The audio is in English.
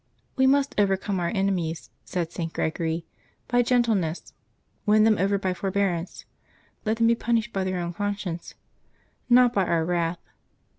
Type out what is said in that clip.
—" We must overcome our enemies," said St. Gregory, '^ by gentleness; win them over by forbearance. Let them be punished by their own conscience, not by our wrath.